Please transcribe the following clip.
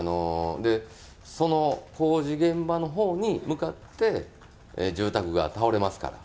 その工事現場のほうに向かって、住宅が倒れますから。